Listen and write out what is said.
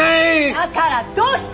だからどうして！